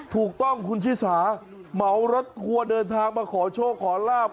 ถูกต้องคุณชิสาเหมารถทัวร์เดินทางมาขอโชคขอลาบ